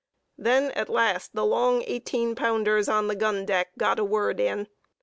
Then at last the long 18 pounders on the gun deck got a word in.